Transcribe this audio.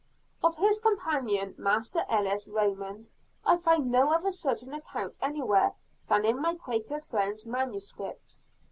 Of his companion, Master Ellis Raymond, I find no other certain account anywhere than in my Quaker friend's manuscript.